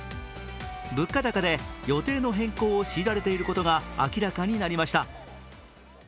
物価高で予定の変更を強いられていることが明らかになりました。